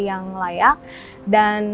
yang layak dan